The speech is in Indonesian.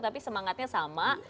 tapi semangatnya sama